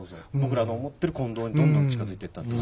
僕らの思ってる近藤にどんどん近づいてった。